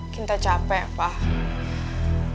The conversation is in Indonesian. kinta capek pak